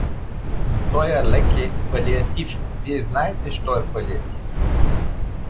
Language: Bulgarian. Но тоя лек е палиатив, вие знаете що е палиатив?